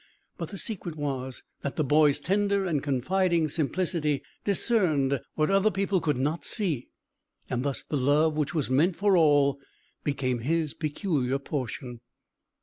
But the secret was, that the boy's tender and confiding simplicity discerned what other people could not see; and thus the love, which was meant for all, became his peculiar portion.